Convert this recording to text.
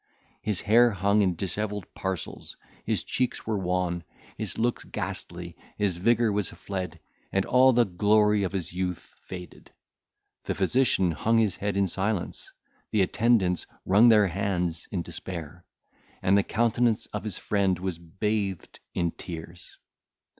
His hair hung in dishevelled parcels, his cheeks were wan, his looks ghastly, his vigour was fled, and all the glory of his youth faded; the physician hung his head in silence, the attendants wrung their hands in despair, and the countenance of his friend was bathed in tears.